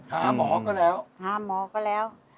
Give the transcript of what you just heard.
หาหมอก็แล้วหาหมอก็แล้ว